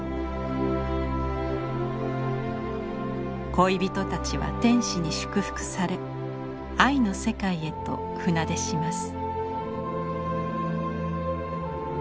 恋人たちは天使に祝福され愛の世界へと船出します。